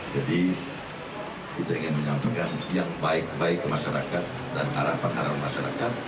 jadi kita ingin menyatukan yang baik baik ke masyarakat dan arah arah masyarakat